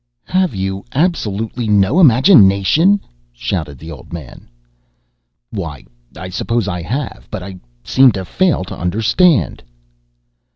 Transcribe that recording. "Have you absolutely no imagination?" shouted the old man. "Why, I suppose I have, but I seem to fail to understand."